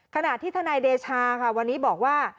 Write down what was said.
ขณะที่ทนายเดชาค่ะวันนี้บอกว่า